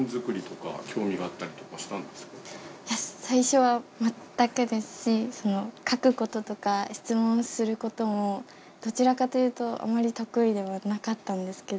いや最初は全くですし書くこととか質問することもどちらかというとあまり得意ではなかったんですけど。